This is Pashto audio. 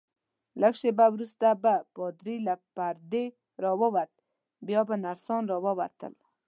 لږ شیبه وروسته به پادري له پردې راووت، بیا به نرسان راووتل.